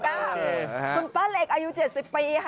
คุณป้าเล็กอายุ๗๐ปีค่ะ